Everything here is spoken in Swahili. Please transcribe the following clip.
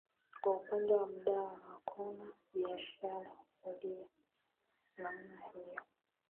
kwa upande wa madawa hakuna biashara huriya namna hiyo